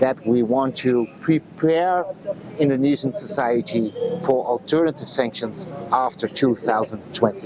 bahwa kami ingin mempersiapkan masyarakat indonesia untuk membuat sanksi alternatif setelah tahun dua ribu dua puluh enam